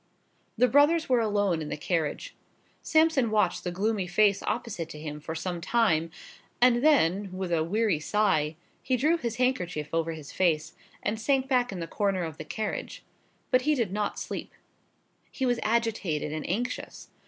The brothers were alone in the carriage. Sampson watched the gloomy face opposite to him for some time, and then, with a weary sigh, he drew his handkerchief over his face, and sank back in the corner of the carriage. But he did not sleep. He was agitated and anxious.